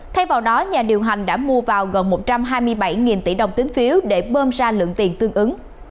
thay vào đó nhà điều hành đã mua vào gần một trăm hai mươi bảy tỷ đồng tín phiếu để bơm ra lượng tiền tương ứng